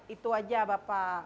itu aja bapak